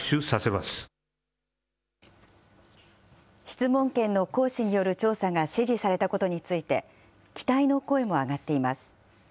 質問権の行使による調査が指示されたことについて、期待の声も上がっています。